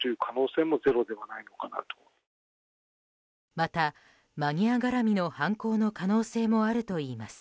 また、マニア絡みの犯行の可能性もあるといいます。